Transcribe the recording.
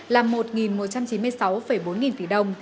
là một một trăm chín mươi sáu bốn nghìn tỷ đồng